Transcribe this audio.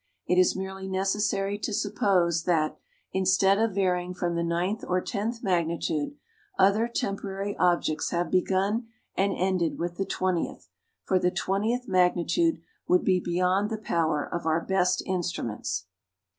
It is merely necessary to suppose that, instead of varying from the ninth or tenth magnitude, other temporary objects have begun and ended with the twentieth; for the twentieth magnitude would be beyond the power of our best instruments.